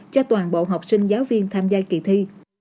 cho toàn bộ học sinh giáo viên tham gia kỳ thi